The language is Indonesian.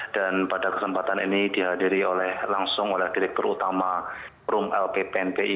dan pada kesempatan ini dihadiri langsung oleh diri perutama rum lpp npi